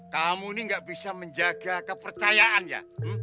kamu ini nggak bisa menjaga kepercayaan ya